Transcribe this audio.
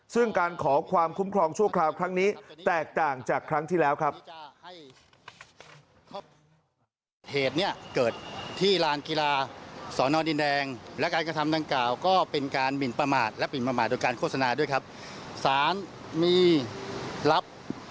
ซึ่งการขอความคุ้มครองชั่วคราวครั้งนี้แตกต่างจากครั้งที่แล้วครับ